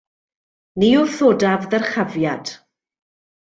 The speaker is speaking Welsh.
Ni wrthodaf ddyrchafiad.